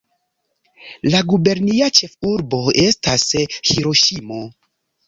La gubernia ĉefurbo estas Hiroŝimo.